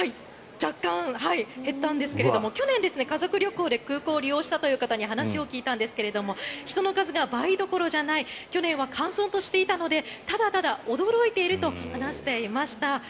若干、減ったんですが去年、家族旅行で空港を利用したという方に話を聞いたんですが人の数が倍どころじゃない去年は閑散としていたのでただただ驚いていると話していました。